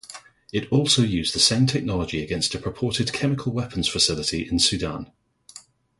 It also used the same technology against a purported chemical weapons facility in Sudan.